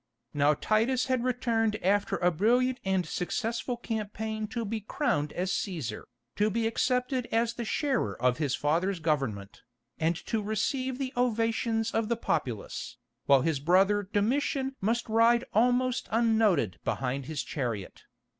Now Titus had returned after a brilliant and successful campaign to be crowned as Cæsar, to be accepted as the sharer of his father's government, and to receive the ovations of the populace, while his brother Domitian must ride almost unnoted behind his chariot.